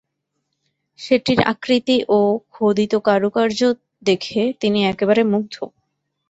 সেটির আকৃতি ও খোদিত কারুকার্য দেখে তিনি একেবারে মুগ্ধ।